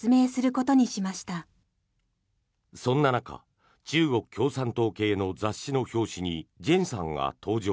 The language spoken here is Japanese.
そんな中中国共産党系の雑誌の表紙にジェンさんが登場。